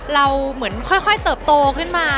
เราเหมือนค่อยเติบโตขึ้นมา